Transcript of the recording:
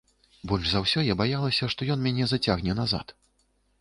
Больш за ўсё я баялася, што ён мяне зацягне назад.